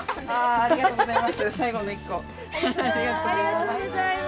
ありがとうございます。